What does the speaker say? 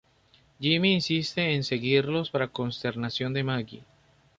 Jimmy insiste en seguirlos, para consternación de Maggie.